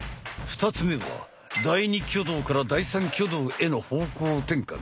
２つ目は第２挙動から第３挙動への方向転換。